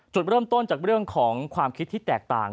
จุดเริ่มต้นจากเรื่องของความคิดที่แตกต่าง